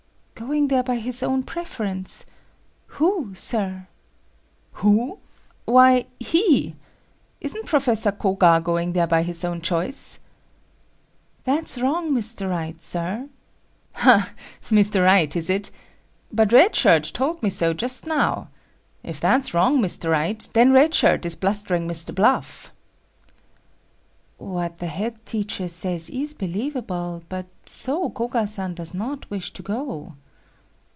"Going there by his own preference? Who, Sir?" "Who? Why, he! Isn't Professor Koga going there by his own choice?" "That's wrong Mr. Wright, Sir." "Ha, Mr. Wright, is it? But Red Shirt told me so just now. If that's wrong Mr. Wright, then Red Shirt is blustering Mr. Bluff." "What the head teacher says is believable, but so Koga san does not wish to go."